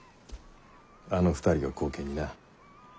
あの２人を後見にな。